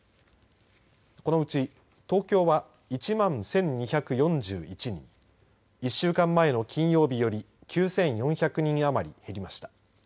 このうち東京は１万１２４１人１週間前の金曜日より９４００人余り減りました。